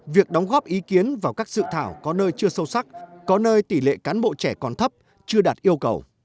việc đóng góp ý kiến vào các sự thảo có nơi chưa sâu sắc có nơi tỷ lệ cán bộ trẻ còn thấp chưa đạt yêu cầu